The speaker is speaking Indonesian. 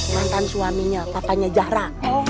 mantan suaminya papanya zara